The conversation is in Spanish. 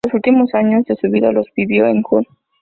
Los últimos años de su vida los vivió en Hull.